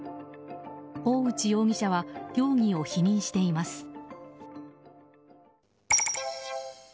大内容疑者は容疑を否認しています。